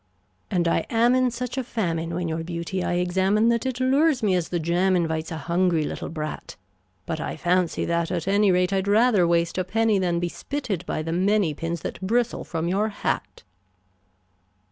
And I am in such a famine when your beauty I examine That it lures me as the jam invites a hungry little brat; But I fancy that, at any rate, I'd rather waste a penny Than be spitted by the many pins that bristle from your hat.